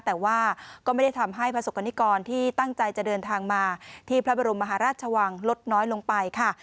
แต่ว่าก็ไม่ได้ทำให้ประสบกรณิกรที่ตั้งใจจะเดินทางมาที่พระบรมมหาราชวังลดน้อยลงไปค่ะ